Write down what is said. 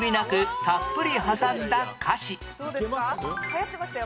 流行ってましたよ